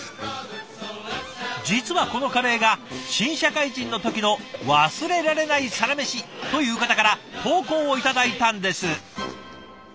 実はこのカレーが新社会人の時の忘れられないサラメシという方から投稿を頂いたんです。